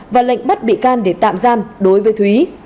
và lệnh bắt bị can để tạm giam đối với thúy